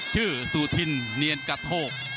ชื่อสุธิณเนียนกัฒโฮก